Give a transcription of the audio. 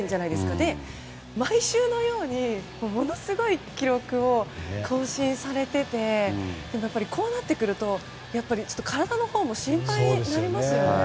それで、毎週のようにものすごい記録を更新されていてこうなってくると体のほうも心配になりますよね。